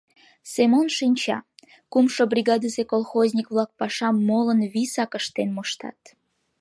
Семон шинча: кумшо бригадысе колхозник-влак пашам молын висак ыштен моштат.